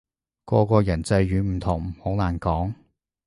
個個人際遇唔同，好難講